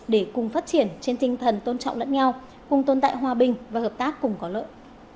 để cùng phát triển trên tinh thần tôn trọng lẫn nhau cùng tồn tại hòa bình và hợp tác cùng có lợi